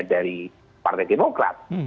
dari partai demokrat